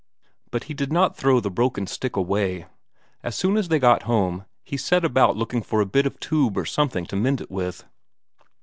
But he did not throw the broken stick away; as soon as they got home, he set about looking for a bit of tube or something to mend it with.